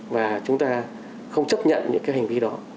và chúng ta không chấp nhận những cái hành vi đó